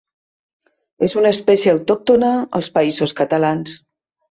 És una espècie autòctona als Països Catalans.